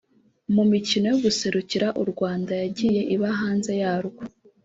mu mikino yo guserukira u Rwanda yagiye iba hanze yarwo